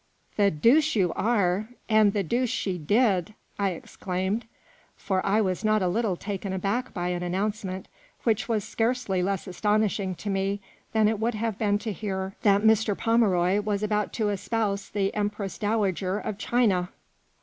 " The deuce you are ! and the deuce she did !" I exclaimed ; for I was not a little taken aback by an announcement, which was scarcely THE ROMANCE OF less astonishing to me than it would have been to hear that Mr, Pomeroy was about to espouse the Empress Dowager of China.